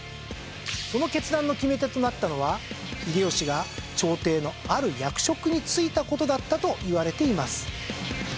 その決断の決め手となったのは秀吉が朝廷のある役職に就いた事だったといわれています。